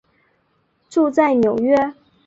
住在纽约。